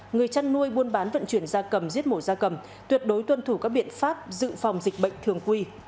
người chăn nuôi buôn bán vận chuyển da cầm giết mổ da cầm tuyệt đối tuân thủ các biện pháp dự phòng dịch bệnh thường quy